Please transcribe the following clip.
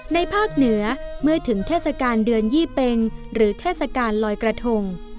ภาคเหนือเมื่อถึงเทศกาลเดือนยี่เป็งหรือเทศกาลลอยกระทง